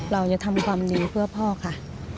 เราจะทำความดีเพื่อพ่อค่ะ